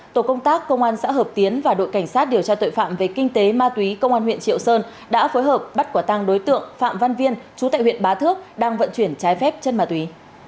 tổ công tác công an xã hợp tiến và đội cảnh sát điều tra tội phạm về kinh tế ma túy công an huyện triệu sơn đã phối hợp bắt quả tăng đối tượng phạm văn viên chú tại huyện bá thước đang vận chuyển trái phép chân ma túy